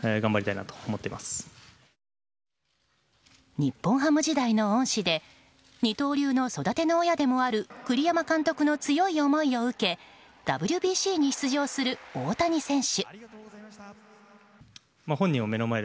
日本ハム時代の恩師で二刀流の育ての親でもある栗山監督の強い思いを受けＷＢＣに出場する大谷選手。